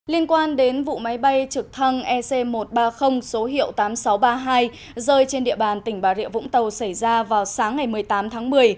liên quan đến vụ máy bay trực thăng ec một trăm ba mươi số hiệu tám nghìn sáu trăm ba mươi hai rơi trên địa bàn tỉnh bà rịa vũng tàu xảy ra vào sáng ngày một mươi tám tháng một mươi